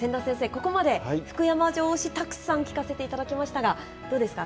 ここまで福山城推したくさん聞かせていただきましたがどうですか？